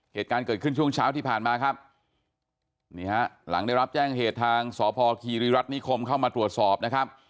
เหตุการณ์เกิดขึ้นช่วงเช้าที่ผ่านมาครับนี่ฮะหลังได้รับแจ้งเหตุทางสพคีรีรัฐนิคมเข้ามาตรวจสอบนะครับ